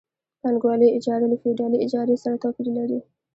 پانګوالي اجاره له فیوډالي اجارې سره توپیر لري